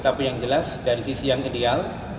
tapi yang jelas dari sisi yang ideal